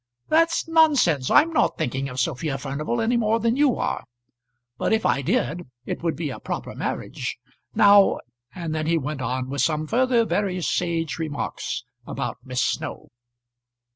"That's nonsense. I'm not thinking of Sophia Furnival any more than you are. But if I did it would be a proper marriage. Now " And then he went on with some further very sage remarks about Miss Snow.